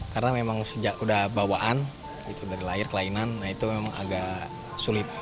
karena memang sejak udah bawaan dari lahir kelainan itu memang agak sulit